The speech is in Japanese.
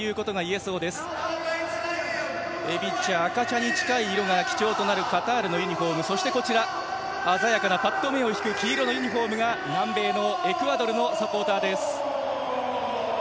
えび茶、赤茶に近い色が基調となるカタールのユニフォームそして、鮮やかなぱっと目を引く黄色のユニフォームが南米のエクアドルのサポーターです。